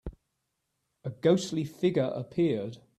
A ghostly figure appeared.